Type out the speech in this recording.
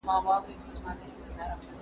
شمع به اوس څه وايی خوله نه لري